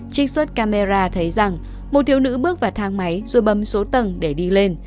trích xuất camera thấy rằng một thiếu nữ bước vào thang máy rồi bấm số tầng để đi lên